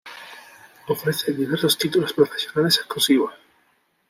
Ofrece diversos títulos profesionales exclusivos.